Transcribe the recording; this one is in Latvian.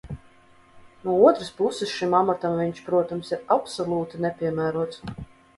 No otras puses, šim amatam viņš, protams, ir absolūti nepiemērots.